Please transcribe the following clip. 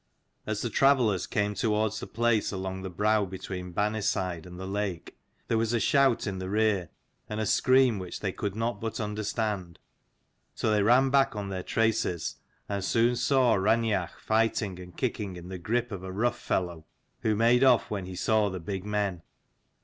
As the travellers came towards the place, along the brow between Banniside and the lake, there was a shout in the rear, and a scream, which they could not but understand. So they ran back on their traces, and soon saw Raineach fighting and kicking in the grip of a rough fellow, who made off when he saw the big men.